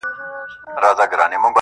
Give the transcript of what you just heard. ورباندي پايمه په دوو سترگو په څو رنگه.